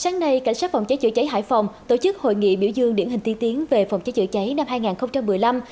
phòng cháy chữa cháy hải phòng tổ chức hội nghị biểu dương điển hình tiên tiến về phòng cháy chữa cháy năm hai nghìn một mươi năm